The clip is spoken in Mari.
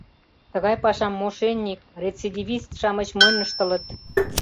Тыгай пашам мошенник, рецидивист-шамыч монь ыштылыт.